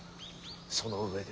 その上で。